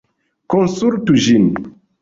Konsultu ĝin!